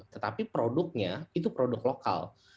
tetapi produknya itu produk lokal